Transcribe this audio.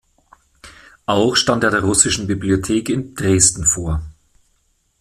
Auch stand er der russischen Bibliothek in Dresden vor.